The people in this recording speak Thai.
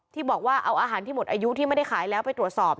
ที่บอกว่าเอาอาหารที่หมดอายุที่ไม่ได้ขายแล้วไปตรวจสอบ